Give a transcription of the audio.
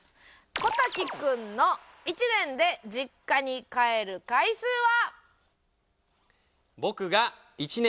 小瀧君の僕が１年で実家に帰る回数は。